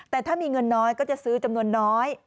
แต่ถ้ามีเงินน้อยก็จะซื้อจำนวนน้อย